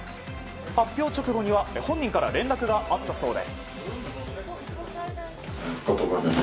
発表直後には本人から連絡があったそうで。